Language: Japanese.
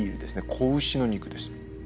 子牛の肉です。